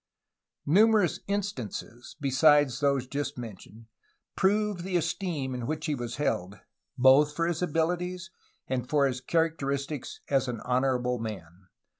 Numerous instances, besides those just mentioned, prove the esteem in which he was held, both for his abilities and for his characteristics as an honorable man.